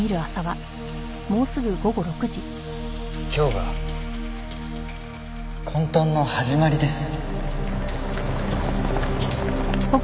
今日が混沌の始まりです。